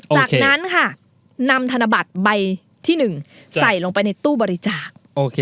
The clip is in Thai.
จากนั้นค่ะนำธนบัตรใบที่๑ใส่ลงไปในตู้บริจาค